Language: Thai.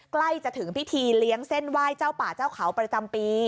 ใกล้จะถึงพิธีเลี้ยงเส้นไหว้เจ้าป่าเจ้าเขาประจำปี